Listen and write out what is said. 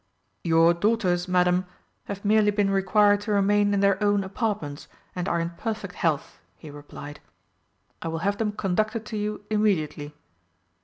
"Your daughters, Madam, have merely been required to remain in their own apartments, and are in perfect health," he replied; "I will have them conducted to you immediately."